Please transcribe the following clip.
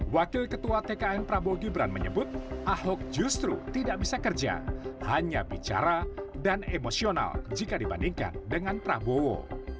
wakil ketua tkn prabowo gibran menyebut ahok justru tidak bisa kerja hanya bicara dan emosional jika dibandingkan dengan prabowo